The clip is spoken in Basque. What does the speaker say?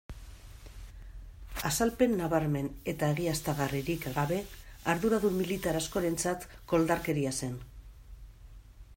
Azalpen nabarmen eta egiaztagarririk gabe, arduradun militar askorentzat koldarkeria zen.